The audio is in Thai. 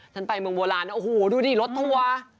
ไปเมืองโบราณนะโอ้โหดูดิรถทัวร์